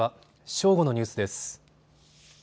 正午のニュースです。